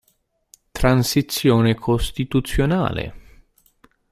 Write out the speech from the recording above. Transizione costituzionale